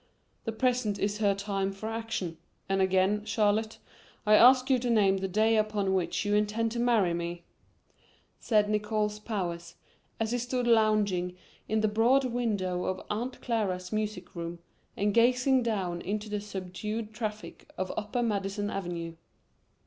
The present is her time for action; and again, Charlotte, I ask you to name the day upon which you intend to marry me," said Nickols Powers, as he stood lounging in the broad window of Aunt Clara's music room and gazing down into the subdued traffic of upper Madison Avenue.